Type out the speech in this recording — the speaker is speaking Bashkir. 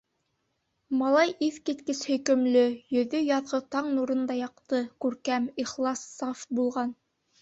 Малай иҫ киткес һөйкөмлө, йөҙө яҙғы таң нурындай яҡты, күркәм, ихлас, саф булған.